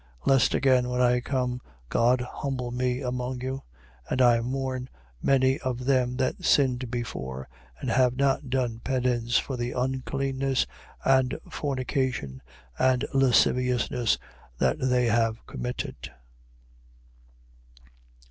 12:21. Lest again, when I come, God humble me among you: and I mourn many of them that sinned before and have not done penance for the uncleanness and fornication and lasciviousness that they have committed.